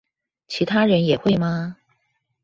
其他人也會嗎？